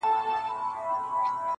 دا زړه نه دی په کوګل کي مي سور اور دی-